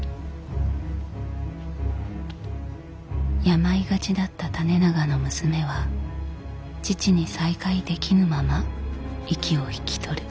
病がちだった胤長の娘は父に再会できぬまま息を引き取る。